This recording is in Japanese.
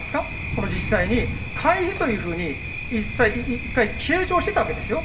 この実際に、会費というふうに、一回、計上してたわけですよ。